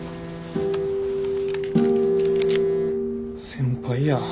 先輩や。